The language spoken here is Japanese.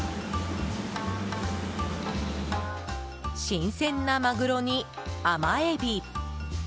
新鮮なマグロに甘エビ。